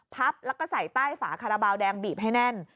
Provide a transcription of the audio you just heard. พับแล้วก็ใส่ใต้ฝาคาราบาลแดงบีบให้แน่น